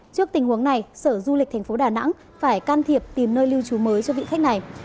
trước tình huống này sở du lịch tp đà nẵng phải can thiệp tìm nơi lưu trú mới cho vị khách này